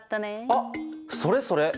あっそれそれ。